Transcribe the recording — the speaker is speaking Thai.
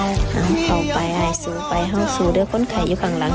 เอาไปอายสูไปห้องสูเด้อคนไข่อยู่ข้างหลัง